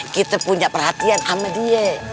kita punya perhatian sama dia